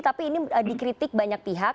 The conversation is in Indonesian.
tapi ini dikritik banyak pihak